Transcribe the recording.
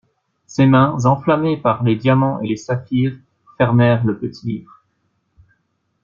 Ses mains enflammées par les diamants et les saphirs fermèrent le petit livre.